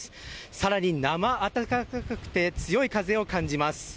さらになま暖かくて強い風を感じます。